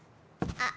あっ。